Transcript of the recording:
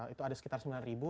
itu ada sekitar sembilan ribu